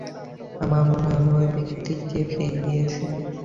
আমার মনে হয়, আমি ঔই ব্যাক্তিকে পেয়ে গেছি!